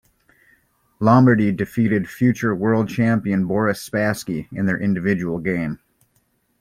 Lombardy defeated future world champion Boris Spassky in their individual game.